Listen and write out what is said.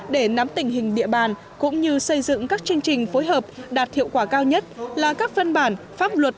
để nắm tình hình địa bàn cũng như xây dựng các chương trình phối hợp đạt hiệu quả cao nhất là các văn bản pháp luật